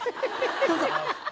どうぞ。